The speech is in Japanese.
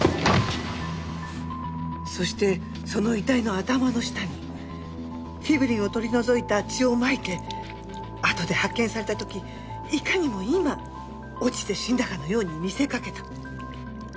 そしてその遺体の頭の下にフィブリンを取り除いた血をまいてあとで発見された時いかにも今落ちて死んだかのように見せかけた。